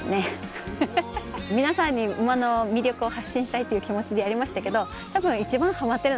皆さんに馬の魅力を発信したいという気持ちでやりましたけど多分。